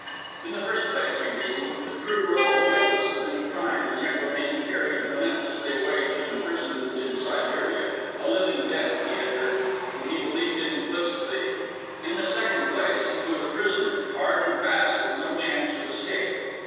In the first place, he reasoned, the crew were all guiltless of any crime, and yet were being carried relentlessly away to imprisonment in Siberia a living death, he had heard, and he believed it implicitly. In the second place, he was a prisoner, hard and fast, with no chance of escape.